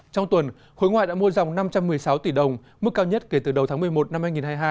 trong tuần khối ngoại đã mua dòng năm trăm một mươi sáu tỷ đồng mức cao nhất kể từ đầu tháng một mươi một năm hai nghìn hai mươi hai